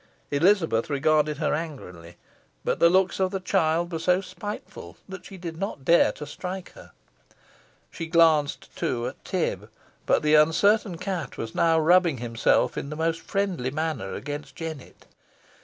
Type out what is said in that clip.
Elizabeth regarded her angrily; but the looks of the child were so spiteful, that she did not dare to strike her. She glanced too at Tib; but the uncertain cat was now rubbing himself in the most friendly manner against Jennet.